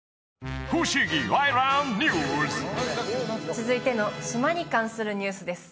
続いての島に関するニュースです